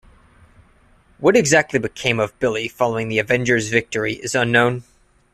What exactly became of Billy following the Avengers' victory is unknown.